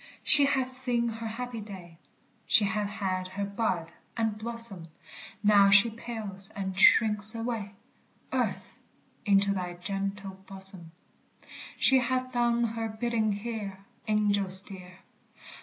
She hath seen her happy day, She hath had her bud and blossom; Now she pales and shrinks away, Earth, into thy gentle bosom! She hath done her bidding here, Angels dear!